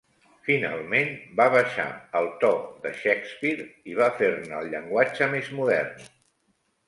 Finalment, va baixar el to de Shakespeare i va fer-ne el llenguatge més modern.